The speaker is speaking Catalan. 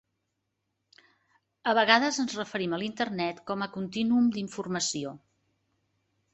A vegades ens referim a l'Internet com a "continuum d'informació".